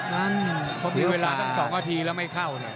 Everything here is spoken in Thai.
นั้นพอมีเวลาตั้ง๒นาทีแล้วไม่เข้าเนี่ย